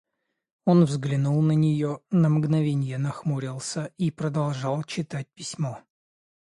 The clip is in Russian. Он взглянул на нее, на мгновенье нахмурился и продолжал читать письмо.